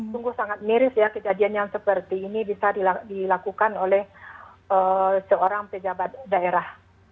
sungguh sangat miris ya kejadian yang seperti ini bisa dilakukan oleh seorang pejabat daerah